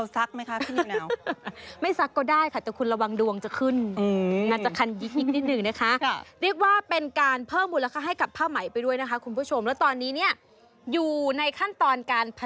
ใส่ได้ทุกวันนี้เราซักไหมคะพี่นิวนาว